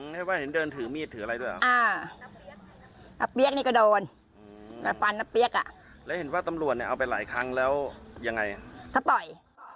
น้าเป๊้ยกอะแล้วเห็นว่าตำรวจเนี่ยเอาไปหลายครั้งแล้วยังไงเขาต่อย